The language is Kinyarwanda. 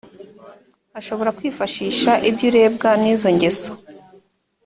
ashobora kwifashisha ibyo urebwa n izo ngeso